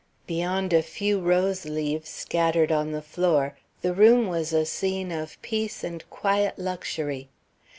Beyond a few rose leaves scattered on the floor, the room was a scene of peace and quiet luxury.